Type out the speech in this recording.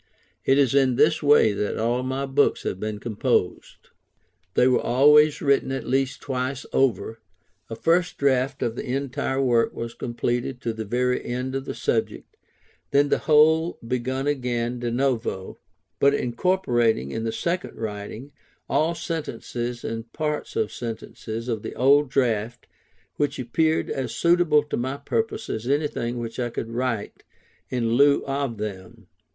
It is in this way that all my books have been composed. They were always written at least twice over; a first draft of the entire work was completed to the very end of the subject, then the whole begun again de novo; but incorporating, in the second writing, all sentences and parts of sentences of the old draft, which appeared as suitable to my purpose as anything which I could write in lieu of them.